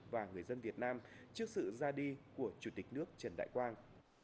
và người dân việt nam trước sự ra đi của chủ tịch nước trần đại quang